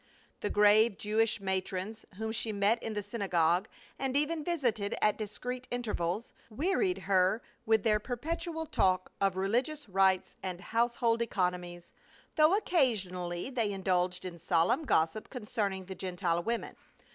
The grave Jewish matrons whom she met in the syn agogue, and even visited at discreet intervals, wearied her with their perpetual talk of religious rites and household economies, though occasionally they in dulged in solemn gossip concerning the Gentile women.